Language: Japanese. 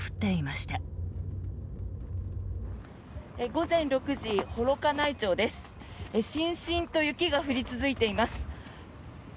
しんしんと雪が降り続いています。